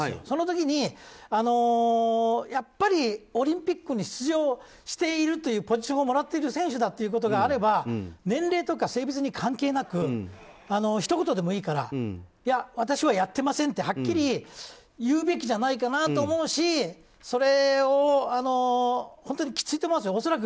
その時に、やっぱりオリンピックに出場しているというポジションをもらっている選手だということがあれば年齢とか性別に関係なくひと言でもいいから私はやってませんってはっきり言うべきじゃないかなと思うしそれはきついと思いますよ。